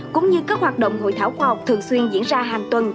cũng như các hoạt động hội thảo khoa học thường xuyên diễn ra hàng tuần